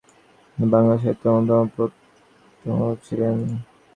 তিনি বাংলা সাহিত্যের অন্যতম প্রবন্ধকার ছিলেন।